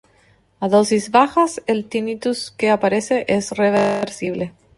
A dosis bajas el tinnitus que aparece es reversible.